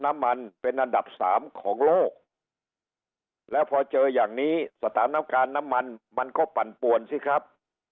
อันดับ๓ของโลกแล้วพอเจออย่างนี้สถานการณ์น้ำมันมันก็ปั่นปวนสิครับ